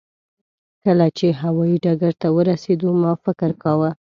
کله چې هوایي ډګر ته ورسېدو ما فکر کاوه.